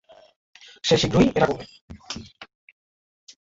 সে শীঘ্রই এটা করবে।